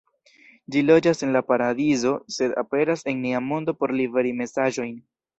Ĝi loĝas en la paradizo sed aperas en nia mondo por liveri mesaĝojn.